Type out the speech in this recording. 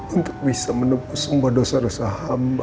untuk bisa menembus semua dosa dosa hamba